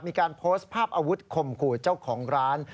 มีการโพสต์ภาพอาวุธข่มขู่เจ้าของร้าน